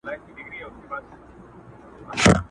د بل په اوږو مياشت گوري.